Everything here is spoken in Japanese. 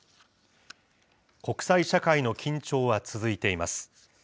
国際社会の緊張は続いています。